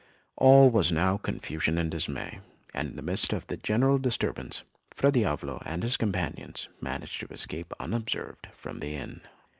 All was now confusion and dismay; and in the midst of the general disturbance, Fra Diavolo and his companions managed to escape unobserved from the inn.